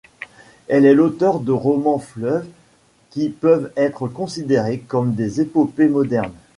Elle est l'auteur de romans-fleuves qui peuvent être considérés comme des épopées modernes.